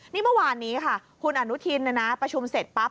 นี่เมื่อวานนี้ค่ะคุณอนุทินประชุมเสร็จปั๊บ